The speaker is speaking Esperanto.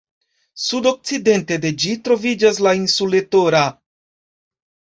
Sudokcidente de ĝi troviĝas la insuleto Ra.